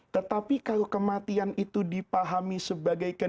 tetapi kalau kematian itu dipahami sebagai